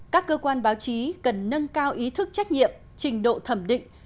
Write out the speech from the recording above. các cơ quan báo chí cần nâng cao ý thức trách nhiệm trình độ thẩm định